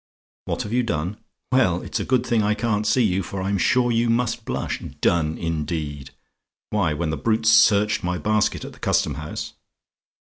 "WHAT HAVE YOU DONE? "Well, it's a good thing I can't see you, for I'm sure you must blush. Done, indeed! "Why, when the brutes searched my basket at the Custom House!